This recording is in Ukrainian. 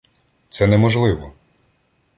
Це неможливо.